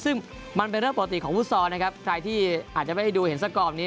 ซึ่งมันเป็นเรื่องปกติของฟุตซอลนะครับใครที่อาจจะไม่ได้ดูเห็นสกอร์มนี้